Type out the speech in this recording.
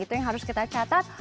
itu yang harus kita catat